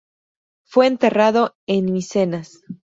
Fue enterrado en Micenas.